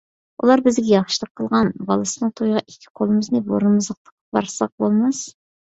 ئۇلار بىزگە ياخشىلىق قىلغان، بالىسىنىڭ تويىغا ئىككى قولىمىزنى بۇرنىمىزغا تىقىپ بارساق بولماس.